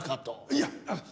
いや！